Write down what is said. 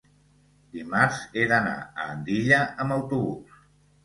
Dimarts he d'anar a Andilla amb autobús.